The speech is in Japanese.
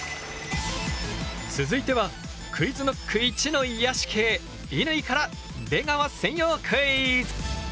続いてはＱｕｉｚＫｎｏｃｋいちの癒やし系乾から出川専用クイズ！